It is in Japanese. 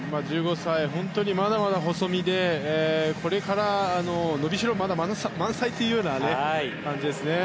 １５歳、まだまだ細身でこれから伸びしろが満載というような感じですよね。